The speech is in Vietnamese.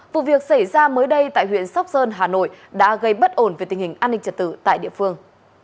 vụ việc xảy ra mới đây tại huyện sóc sơn hà nội đã gây bất ổn về tình hình an ninh trật tự tại địa phương